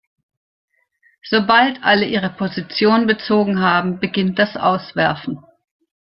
Sobald alle ihre Position bezogen haben, beginnt das Auswerfen.